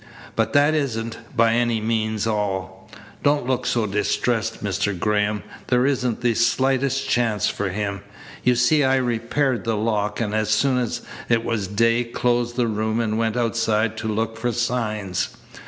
But that isn't, by any means, all. Don't look so distressed, Mr. Graham. There isn't the slightest chance for him. You see I repaired the lock, and, as soon as it was day, closed the room and went outside to look for signs.